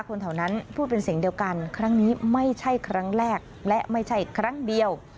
คนแถวนั้นพูดเป็นเสียงเดียวกันครั้งนี้ไม่ใช่ครั้งแรกและไม่ใช่ครั้งเดียว